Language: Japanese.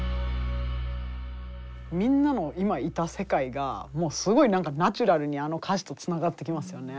みんなの今いた世界がすごいナチュラルにあの歌詞とつながってきますよね。